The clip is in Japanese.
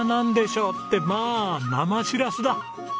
ってまあ生しらすだ！